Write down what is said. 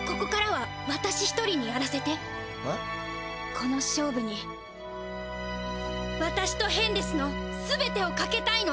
この勝負にわたしとヘンデスの全てをかけたいの！